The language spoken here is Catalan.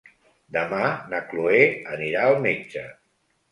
Demà na Chloé anirà al metge.